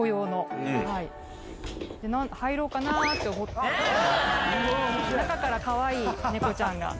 入ろうかな？って思ったら中からかわいい猫ちゃんが。